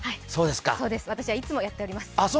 私はいつもやっております。